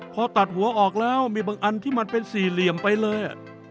พอตัดหัวออกแล้วมีบางอันที่มันเป็นสี่เหลี่ยมไปเลย